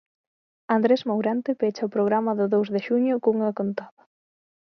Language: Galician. Andrés Mourente pecha o programa do dous de xuño cunha contada.